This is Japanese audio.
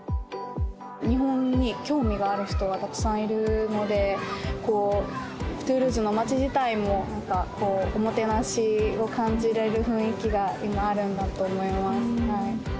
日本に興味がある人がたくさんいるので、トゥールーズの町自体も、なんかこう、おもてなしを感じられる雰囲気が、今あるんだと思います。